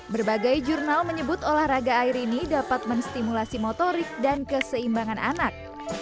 berbagai jurnal menyebut olahraga air ini dapat menstimulasi motorik dan keseimbangan anak